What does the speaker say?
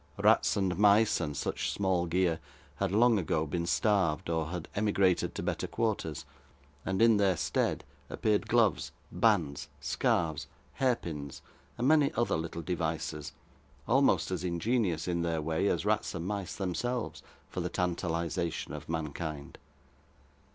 Rats and mice, and such small gear, had long ago been starved, or had emigrated to better quarters: and, in their stead, appeared gloves, bands, scarfs, hair pins, and many other little devices, almost as ingenious in their way as rats and mice themselves, for the tantalisation of mankind.